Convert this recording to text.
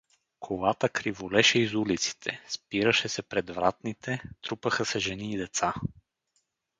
Колата криволеше из улиците, спираше се пред вратните, трупаха се жени и деца.